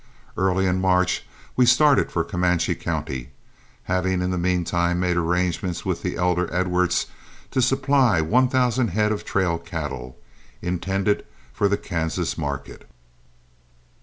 Early in March we started for Comanche County, having in the mean time made arrangements with the elder Edwards to supply one thousand head of trail cattle, intended for the Kansas market.